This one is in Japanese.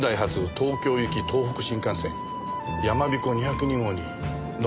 東京行き東北新幹線やまびこ２０２号に乗る事が出来ます。